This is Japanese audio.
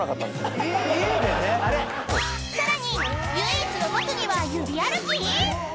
［さらに唯一の特技は指歩き⁉］